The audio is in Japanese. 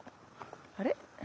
あれ？